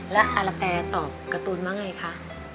แล้วอาละแตรตอบการ์ตูนว่าไงคะ